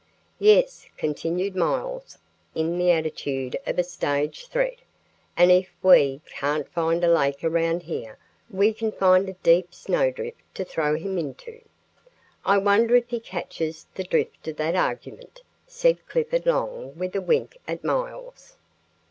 "Yes," continued Miles in the attitude of a stage threat, "and if we can't find a lake around here we can find a deep snowdrift to throw him into." "I wonder if he catches the drift of that argument," said Clifford Long, with a wink at Miles.